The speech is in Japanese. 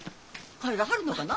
帰らはるのかな？